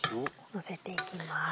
のせていきます。